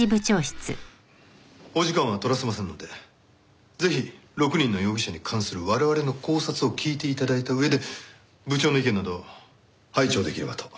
お時間は取らせませんのでぜひ６人の容疑者に関する我々の考察を聞いて頂いた上で部長の意見など拝聴出来ればと。